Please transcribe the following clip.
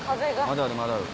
まだあるまだある。